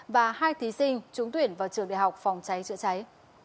và hai thí sinh trúng tuyển vào trường đại học phòng cháy chữa cháy